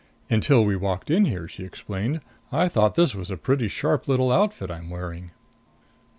"Until we walked in here," she explained, "I thought this was a pretty sharp little outfit I'm wearing."